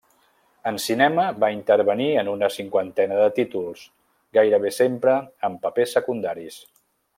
En cinema va intervenir en una cinquantena de títols, gairebé sempre en papers secundaris.